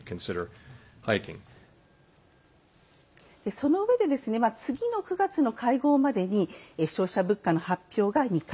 そのうえで次の９月会合までに消費者物価の発表が２回。